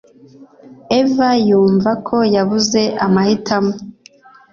Eva yumva ko yabuze amahitamo